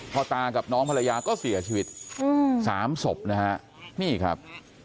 ตากับน้องภรรยาก็เสียชีวิตสามศพนะฮะนี่ครับ